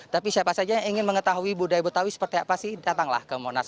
tapi siapa saja yang ingin mengetahui budaya betawi seperti apa sih datanglah ke monas